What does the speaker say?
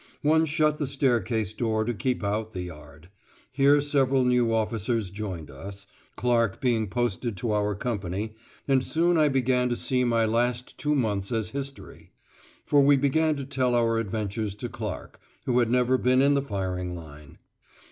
One shut the staircase door to keep out the yard. Here several new officers joined us, Clark being posted to our company, and soon I began to see my last two months as history. For we began to tell our adventures to Clark, who had never been in the firing line!